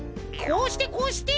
こうしてこうして。